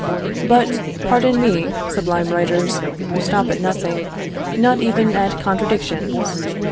But, pardon me, sublime writers, who stop at nothing, not even at contradictions.